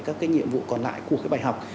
các cái nhiệm vụ còn lại của cái bài học